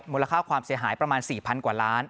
มูลค่าความเสียหายประมาณ๔๐๐กว่าล้าน